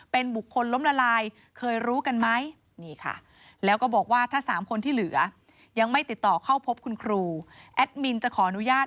ขออนุญาตไม่เบลอหน้า